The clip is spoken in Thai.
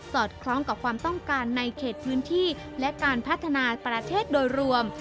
อดคล้องกับความต้องการในเขตพื้นที่และการพัฒนาประเทศโดยรวม